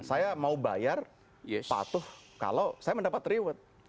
saya mau bayar patuh kalau saya mendapat reward